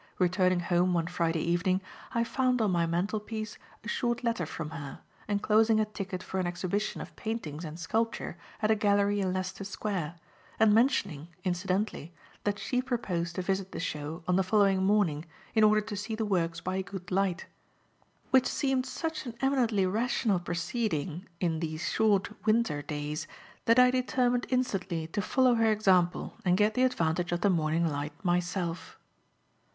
Returning home one Friday evening, I found on my mantelpiece a short letter from her, enclosing a ticket for an exhibition of paintings and sculpture at a gallery in Leicester Square, and mentioning incidentally that she proposed to visit the show on the following morning in order to see the works by a good light; which seemed such an eminently rational proceeding in these short winter days, that I determined instantly to follow her example and get the advantage of the morning light myself.